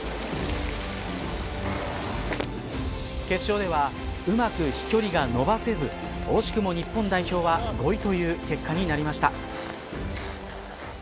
決勝ではうまく飛距離が伸ばせず惜しくも日本代表は５位という結果になりました。